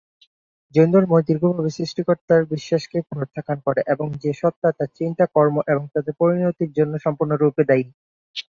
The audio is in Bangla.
জৈনধর্ম দৃঢ়ভাবে সৃষ্টিকর্তার বিশ্বাসকে প্রত্যাখ্যান করে, এবং যে সত্তা তার চিন্তা, কর্ম এবং তাদের পরিণতির জন্য সম্পূর্ণরূপে দায়ী।